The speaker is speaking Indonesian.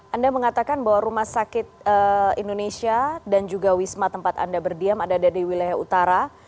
anda mengatakan bahwa rumah sakit indonesia dan juga wisma tempat anda berdiam ada di wilayah utara